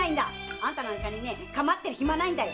あんたなんかにかまってる暇ないんだよ。